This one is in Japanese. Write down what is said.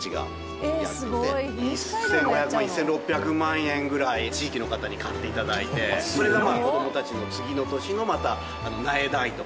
１５００万１６００万円ぐらい地域の方に買って頂いてそれが子どもたちの次の年のまた苗代とかね